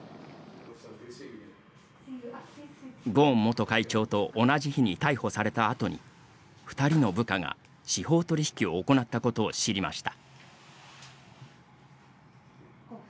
ゴーン元会長と同じ日に逮捕されたあとに２人の部下が司法取引を行ったことを知りました。